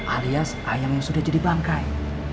alias ayam yang sudah jadi bangkai